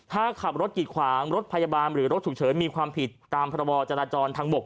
ถ้าขับรถกิดขวางรถพยาบาลหรือรถฉุกเฉินมีความผิดตามพบจราจรทางบก